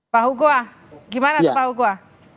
pak hugua gimana pak hugua